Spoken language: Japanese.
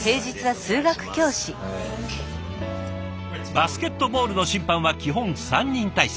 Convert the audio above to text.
バスケットボールの審判は基本３人体制。